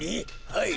はい。